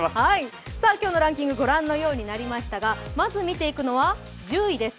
今日のランキング、ご覧のようになりましたが、まず見ていくのは１０位です。